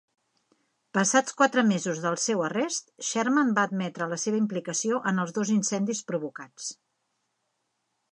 Passats quatre mesos del seu arrest, Sherman va admetre la seva implicació en els dos incendis provocats.